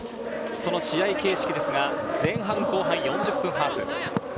その試合形式ですが、前半後半４０分ハーフ。